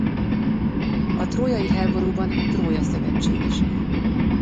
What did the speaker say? A trójai háborúban Trója szövetségesei.